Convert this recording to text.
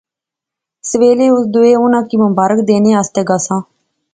سویلے اس دوئے اُناں کی مبارک دینے آسطے گیساں